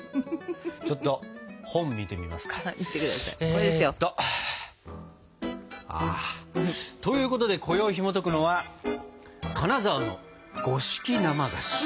ちょっと本見てみますか。ということでこよいひもとくのは「金沢の五色生菓子」。